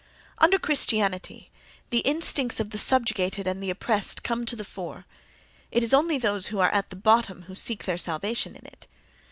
— Under Christianity the instincts of the subjugated and the oppressed come to the fore: it is only those who are at the bottom who seek their salvation in it.